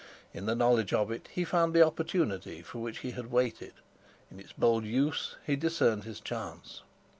In the knowledge of it he found the opportunity for which he had waited; in its bold use he discerned his chance.